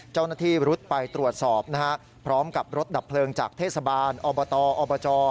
เจ้าหน้าที่รุดไปตรวจสอบนะฮะพร้อมกับรถดับเพลิงจากเทศบาลอบตอบจ